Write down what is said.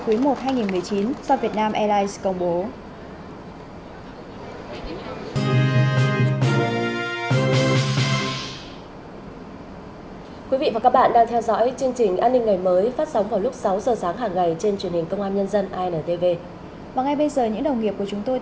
cuối một hai nghìn một mươi chín do vietnam airlines công bố